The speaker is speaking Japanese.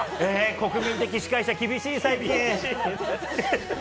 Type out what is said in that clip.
国民的司会者厳しい、最近。